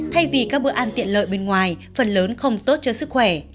thay vì các bữa ăn tiện lợi bên ngoài phần lớn không tốt cho sức khỏe